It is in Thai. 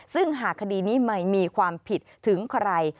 ซึ่งหากคดีนี้ไม่มีความผิดถึงใคร